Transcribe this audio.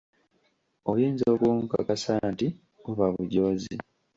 Oyinza okunkakasa nti buba bujoozi!